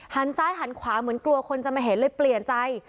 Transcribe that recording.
ซ้ายหันขวาเหมือนกลัวคนจะมาเห็นเลยเปลี่ยนใจ